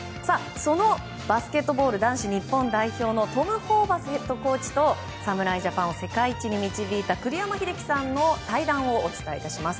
そのバスケットボール男子日本代表のトム・ホーバスヘッドコーチと侍ジャパンを世界一に導いた栗山英樹さんの対談をお伝えいたします。